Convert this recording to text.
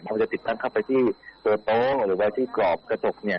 พอจะติดตั้งเข้าไปที่ตัวโป๊หรือว่าที่กรอบกระจกเนี่ย